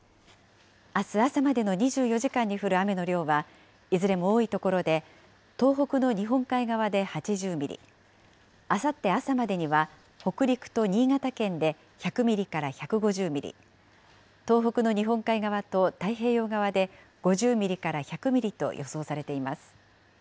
あす朝までの２４時間に降る雨の量は、いずれも多い所で、東北の日本海側で８０ミリ、あさって朝までには、北陸と新潟県で１００ミリから１５０ミリ、東北の日本海側と太平洋側で５０ミリから１００ミリと予想されています。